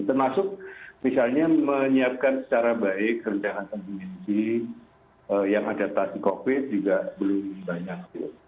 termasuk misalnya menyiapkan secara baik rencana kesehatan klinisi yang ada tadi covid sembilan belas juga belum banyak